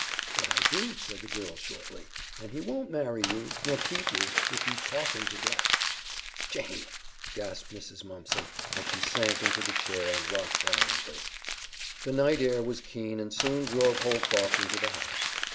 "But I do," said the girl shortly, "and he won't marry you, nor keep you, if you talk him to death." "Jane!" gasped Mrs. Mumpson, as she sank into the chair and rocked violently. The night air was keen and soon drove Holcroft into the house.